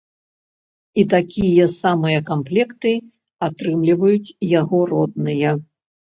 І такія самыя камплекты атрымліваюць яго родныя.